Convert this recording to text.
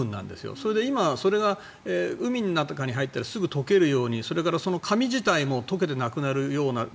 それで今、それが海の中に入ったらすぐ溶けるようにそれから髪自体も溶けてなくなるような。